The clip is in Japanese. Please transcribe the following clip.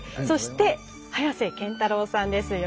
そして、早瀬憲太郎さんです。